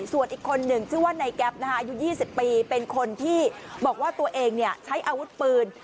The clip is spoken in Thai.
ส่วนอีกคนหนึ่งชื่อว่านายแก๊ปอายุ๒๐ปีเป็นคนที่บอกว่าตัวเองใช้อาวุธปืน